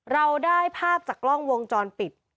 เราได้ภาพจากกล้องวงจรปิด